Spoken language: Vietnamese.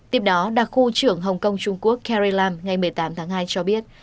tiếp đó đặc khu trưởng hồng kông trung quốc carrie lam ngày một mươi tám tháng hai cho biết